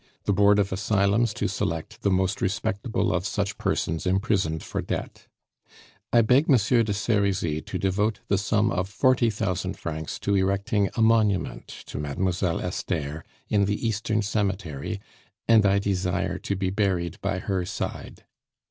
The Board of Asylums to select the most respectable of such persons imprisoned for debt. "I beg Monsieur de Serizy to devote the sum of forty thousand francs to erecting a monument to Mademoiselle Esther in the Eastern cemetery, and I desire to be buried by her side.